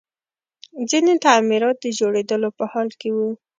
ځینې تعمیرات د جوړېدلو په حال کې وو